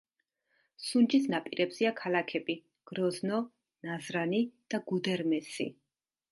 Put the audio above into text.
სუნჯის ნაპირებზეა ქალაქები: გროზნო, ნაზრანი და გუდერმესი.